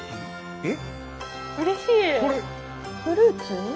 えっ？